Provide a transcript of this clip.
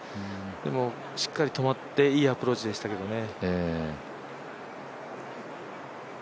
でも、しっかり止まって、いいアプローチでしたけどね。